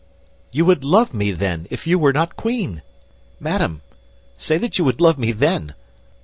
"You would love me, then, if you were not queen! Madame, say that you would love me then!